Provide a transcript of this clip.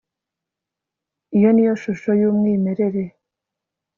iyo niyo shusho yumwimerere